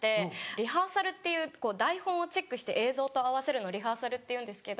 リハーサルっていう台本をチェックして映像と合わせるのをリハーサルっていうんですけど。